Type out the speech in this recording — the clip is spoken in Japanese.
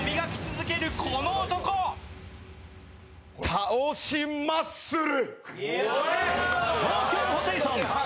倒しマッスル！